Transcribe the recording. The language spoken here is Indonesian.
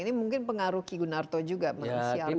ini mungkin pengaruh ki gunarto juga manusiawi